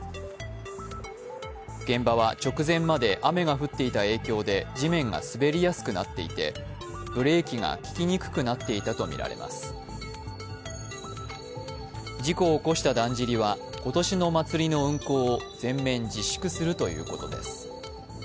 現場は、直前まで雨が降っていた影響で、地面が滑りやすくなっていてブレーキが利きにくくなっていたとみられます事故を起こしただんじりは今年の祭りの運行を全面自粛するということです。